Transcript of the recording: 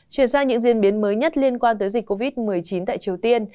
chuyển sang những diễn biến mới nhất liên quan tới dịch covid một mươi chín tại triều tiên